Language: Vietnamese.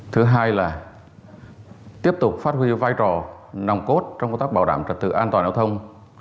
thứ hai là tiếp tục phát huy vai trò nòng cốt trong công tác bảo đảm trật tự an toàn giao thông